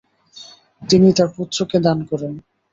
তিনি তার পুত্রকে দান করেন।